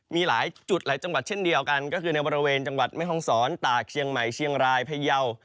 มีหลายจุดหลายจังหวัดเช่นเดียวกันก็คือในบริเวณจังหวัดแม่ห้องศรตากเชียงใหม่เชียงรายพยาว